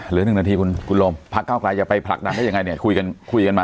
เหลือหนึ่งนาทีคุณโรมพักข้าวไกลอย่าไปผลักดังได้ยังไงเนี่ยคุยกันมา